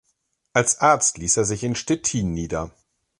Als Arzt ließ er sich in Stettin nieder.